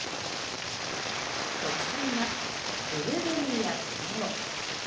特産はブルーベリーやブドウ。